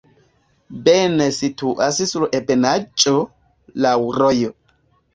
Bene situas sur ebenaĵo, laŭ rojo.